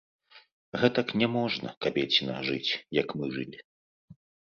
Гэтак няможна, кабецiна, жыць, як мы жылi...